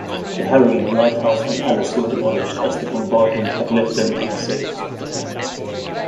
The harem, lighthouse and palace were demolished as the bombardment had left them unsafe.